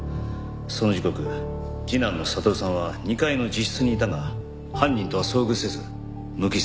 その時刻次男の悟さんは２階の自室にいたが犯人とは遭遇せず無傷だった。